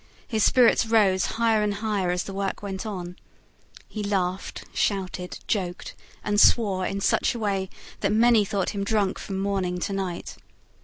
His spirits rose higher and higher as the work went on. He laughed, shouted, joked, and swore in such a way that many thought him drunk from morning to night.